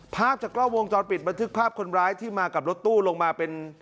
ภาพจากกล้องวงจรปิดบันทึกภาพคนร้ายที่มากับรถตู้ลงมาเป็น